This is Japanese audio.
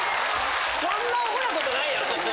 そんなアホな事ないやろと思って。